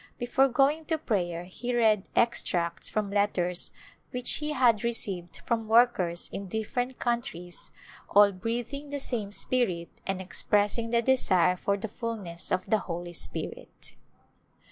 Before going to prayer he read extracts from letters which he had received from workers in different countries all breath ing the same spirit and expressing the desire for the fullness of the Holy Spirit.